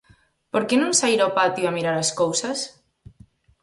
Por que non saír ao patio a mirar as cousas?